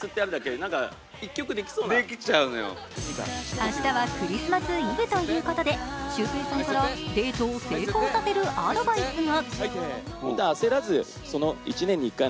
明日はクリスマスイブということでシュウペイさんからデートを成功させるアドバイスが。